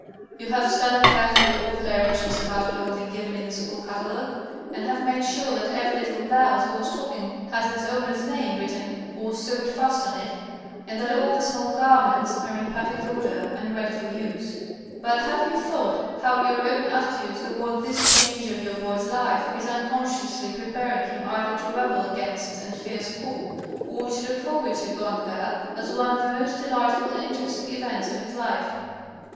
You have studied carefully all the directions about clothing given in the school catalogue, and have made sure that every little blouse or stocking has its owner's name written or sewed fast on it, and that all the small garments are in perfect order and ready for use. But have you thought how your own attitude toward this change in your boy's life is unconsciously preparing him either to rebel against and fear school, or to look forward to going there as one of the most delightful and interesting events of his life?